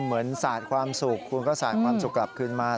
เหมือนศาสตร์ความสุขคุณก็ศาสตร์ความสุขกลับขึ้นมา